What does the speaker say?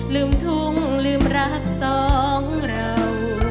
ลืมทุ่งลืมรักสองเรา